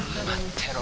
てろ